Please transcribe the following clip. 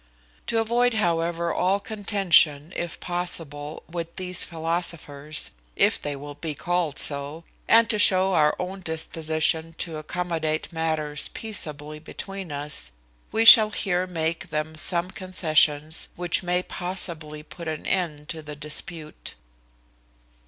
To avoid, however, all contention, if possible, with these philosophers, if they will be called so; and to show our own disposition to accommodate matters peaceably between us, we shall here make them some concessions, which may possibly put an end to the dispute.